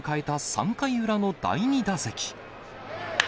３回裏の第２打席。